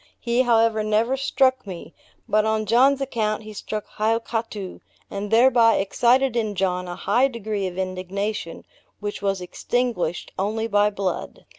He, however, never struck me; but on John's account he struck Hiokatoo, and thereby excited in John a high degree of indignation, which was extinguished only by blood.